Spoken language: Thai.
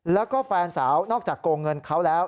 แล้วก็แฟนสาวนอกจากโกงเงินเขาแล้ว